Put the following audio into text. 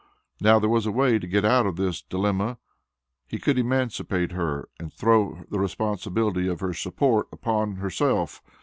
Now there was a way to get out of this dilemma. He could emancipate her and throw the responsibility of her support upon, herself.